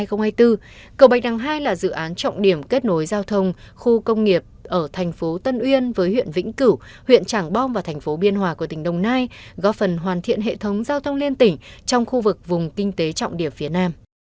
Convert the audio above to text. cầu bạch đằng hai là dự án trọng điểm kết nối giao thông khu công nghiệp ở thành phố tân uyên với huyện vĩnh cửu huyện trảng bom và thành phố biên hòa của tỉnh đồng nai góp phần hoàn thiện hệ thống giao thông liên tỉnh trong khu vực vùng kinh tế trọng điểm phía nam